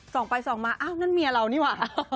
ส่องไปส่องมาอ้าวนั่นเมียเรานี่ว่ะ